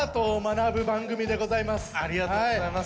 ありがとうございます。